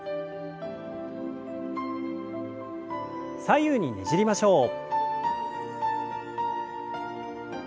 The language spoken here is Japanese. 左右にねじりましょう。